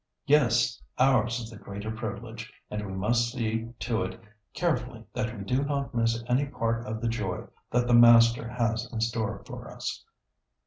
Yes, ours is the greater privilege, and we must see to it carefully that we do not miss any part of the joy that the Master has in store for us.